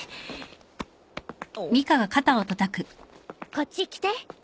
こっち来て。